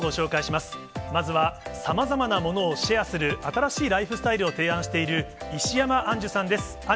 まずはさまざまなものをシェアする新しいライフスタイルを提案している石山アンジュさんです。